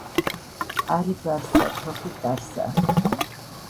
არი-ბარსა, თოხი-ტარსა